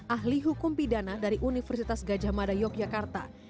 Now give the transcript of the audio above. ahli hukum pidana dari universitas gajah mada yogyakarta